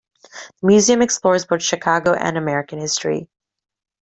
The museum explores both Chicago and American history.